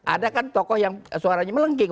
ada kan tokoh yang suaranya melengking